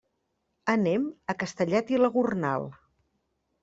Anem a Castellet i la Gornal.